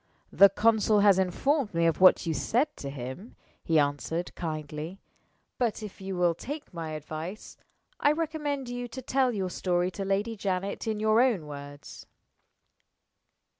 "The consul has informed me of what you said to him," he answered, kindly. "But, if you will take my advice, I recommend you to tell your story to Lady Janet in your own words."